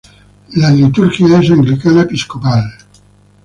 La liturgia es Anglicana-Episcopal.